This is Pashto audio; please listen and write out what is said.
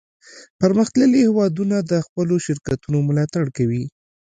پرمختللي هیوادونه د خپلو شرکتونو ملاتړ کوي